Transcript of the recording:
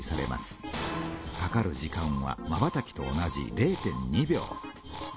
かかる時間はまばたきと同じ０．２秒。